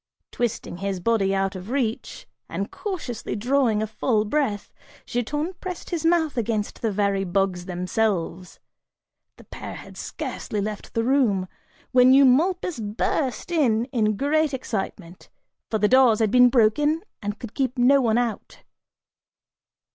Twisting his body out of reach, and cautiously drawing a full breath, Giton pressed his mouth against the very bugs themselves. (The pair had scarcely left the room) when Eumolpus burst in in great excitement, for the doors had been broken and could keep no one out.